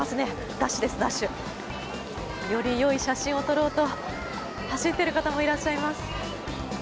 ダッシュです、ダッシュ。よりよい写真を撮ろうと走っている方もいらっしゃいます。